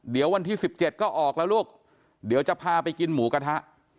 เดี๋ยววันที่๑๗ก็ออกแล้วลูกเดี๋ยวจะพาไปกินหมูกระทะ